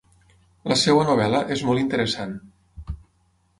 La seua novel·la és molt interessant.